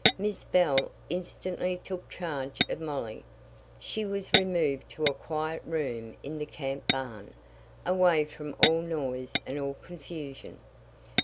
Miss Bell instantly took charge of Molly. She was removed to a quiet room in the camp barn, away from all noise and all confusion.